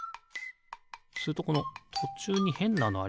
それとこのとちゅうにへんなのありますね。